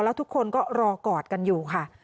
แล้วทุกคนก็รอกอดกันอยู่ค่ะ